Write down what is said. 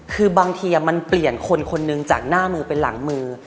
คือบางทีมันเปลี่ยนคนคนหนึ่งจากหน้ามือเป็นหลังมือ